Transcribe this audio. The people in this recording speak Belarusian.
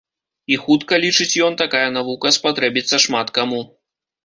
І хутка, лічыць ён, такая навука спатрэбіцца шмат каму.